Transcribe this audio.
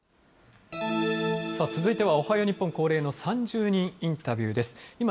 続いてはおはよう日本恒例の３０人インタビューです。